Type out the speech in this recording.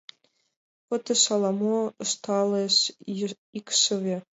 — Пытыш ала-мо... — ышталеш икшыве.